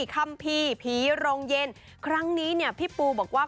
คัมภีร์ผีโรงเย็นครั้งนี้เนี่ยพี่ปูบอกว่า